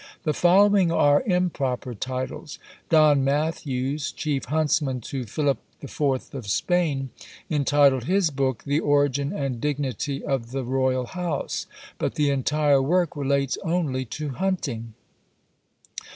The following are improper titles. Don Matthews, chief huntsman to Philip IV. of Spain, entitled his book "The Origin and Dignity of the Royal House," but the entire work relates only to hunting.